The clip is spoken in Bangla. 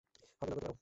হবে না, গতি বাড়াও।